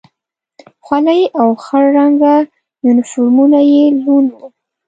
خولۍ او خړ رنګه یونیفورمونه یې لوند و.